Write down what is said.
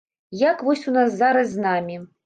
Як вось у нас зараз з намі.